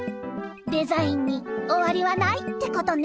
デザインにおわりはないってことね。